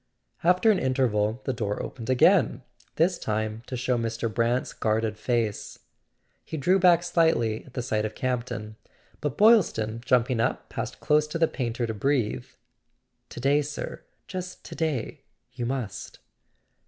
After an interval the door opened again, this time to show Mr. Brant's guarded face. He drew back slightly at the sight of Campton; but Boylston, jumping up, passed close to the painter to breathe: "To day, sir, just to day—you must!"